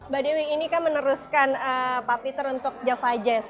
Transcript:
mbak dewi ini kan meneruskan pak peter untuk java jazz